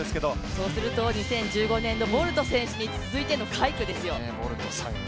そうすると２０１５年のボルト選手に続いての快挙ですよ。